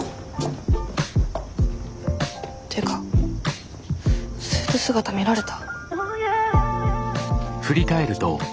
てかスーツ姿見られた？